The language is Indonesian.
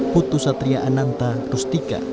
putu satria ananta rustika